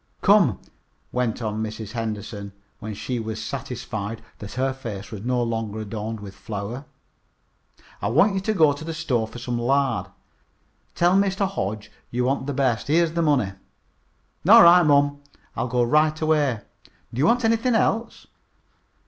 "Come," went on Mrs. Henderson, when she was satisfied that her face was no longer adorned with flour, "I want you to go to the store for some lard. Tell Mr. Hodge you want the best. Here's the money." "All right, mom, I'll go right away. Do you want anything else?"